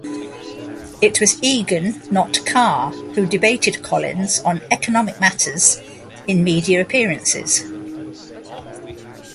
It was Egan, not Carr, who debated Collins on economic matters in media appearances.